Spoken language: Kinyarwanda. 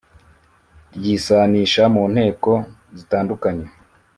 ryisanisha mu nteko zitandukanye